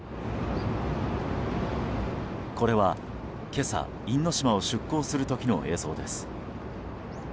これは今朝、因島を出航する時の映像です。